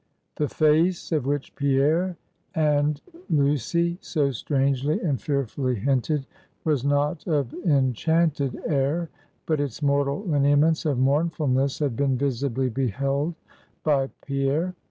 The face, of which Pierre and Lucy so strangely and fearfully hinted, was not of enchanted air; but its mortal lineaments of mournfulness had been visibly beheld by Pierre.